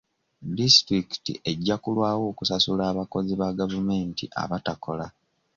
Disitulikiti ejja kulwawo okusasula abakozi ba gavumenti abatakola.